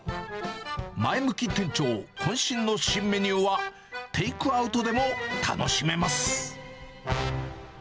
前向き店長、こん身の新メニューは、テイクアウトでも楽しめます。